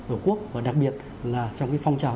ở quốc và đặc biệt là trong phong trào